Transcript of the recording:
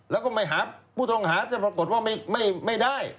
แล้วก็ผู้ตรงหาจะปรากฏว่าไม่ได้